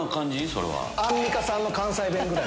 それは。